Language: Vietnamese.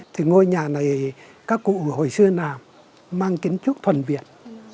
thì ngôi nhà này các cụ hồi xưa nằm mang kiến trúc thuần viện